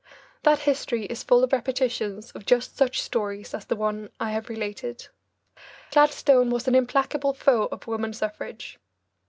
That history is full of repetitions of just such stories as the one I have related. Gladstone was an implacable foe of woman suffrage.